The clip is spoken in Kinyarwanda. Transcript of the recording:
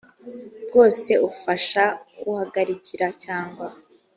bwose ufasha uhagarikira cyangwa